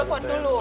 saya telepon dulu